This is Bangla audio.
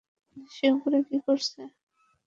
সে উপরে কি করছে?